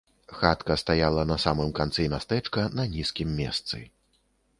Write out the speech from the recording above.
Хатка стаяла на самым канцы мястэчка на нізкім месцы.